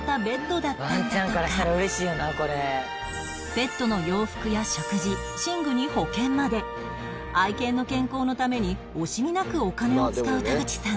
ペットの洋服や食事寝具に保険まで愛犬の健康のために惜しみなくお金を使う田口さん